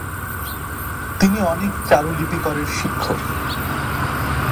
তিনি অনেক চারুলিপিকরের শিক্ষক।